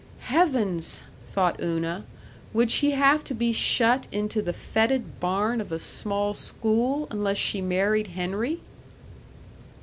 Heavens! thought Una, would she have to be shut into the fetid barn of a small school unless she married Henry?